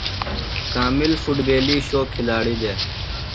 کامل فُٹبیلی شو کِھلاڑیۡ دےۡ۔